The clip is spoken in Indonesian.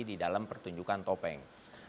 di dalam pertunjukan topeng